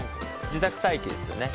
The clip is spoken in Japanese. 自宅待機ですよね。